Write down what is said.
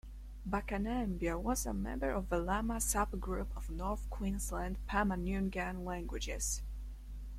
Bakanambia was a member of the Lama subgroup of north Queensland Pama-Nyungan languages.